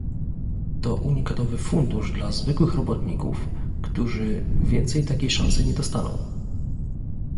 To unikatowy fundusz dla zwykłych robotników, którzy więcej takiej szansy nie dostaną